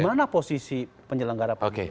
di mana posisi penyelenggara penyelenggara